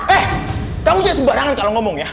eh kamu jadi sebarangan kalau ngomong ya